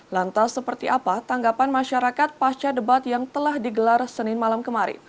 lantas seperti apa tanggapan masyarakat pasca debat yang telah digelar senin malam kemarin